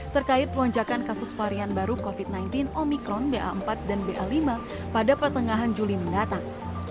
terkait lonjakan kasus varian baru covid sembilan belas omikron ba empat dan ba lima pada pertengahan juli mendatang